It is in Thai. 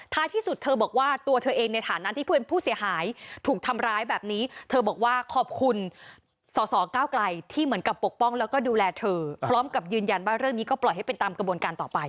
ที่สุดเธอบอกว่าตัวเธอเองในฐานะที่เพื่อนผู้เสียหายถูกทำร้ายแบบนี้เธอบอกว่าขอบคุณสอสอก้าวไกลที่เหมือนกับปกป้องแล้วก็ดูแลเธอพร้อมกับยืนยันว่าเรื่องนี้ก็ปล่อยให้เป็นตามกระบวนการต่อไป